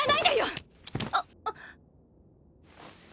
あっ。